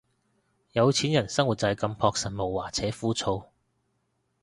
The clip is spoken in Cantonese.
有錢人生活就係咁樸實無華且枯燥